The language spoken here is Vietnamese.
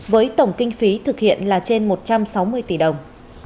với tổng kinh phí thực hiện là trên một trăm sáu mươi tỷ đồng